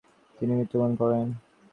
তিনি মৃত্যুবরণ করলেন।